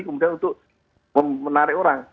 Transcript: kemudian untuk menarik orang